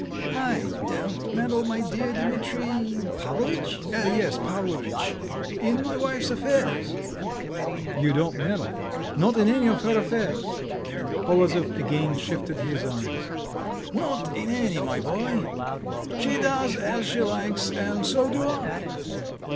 "I don't meddle, my dear Dimitri … Pavlovitch? Yes, Pavlovitch!—in my wife's affairs." "You don't meddle? Not in any of her affairs?" Polozov again shifted his eyes. "Not in any, my boy. She does as she likes, and so do I."